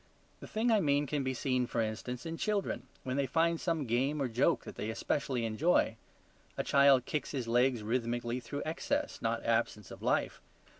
The thing I mean can be seen, for instance, in children, when they find some game or joke that they specially enjoy. A child kicks his legs rhythmically through excess, not absence, of life.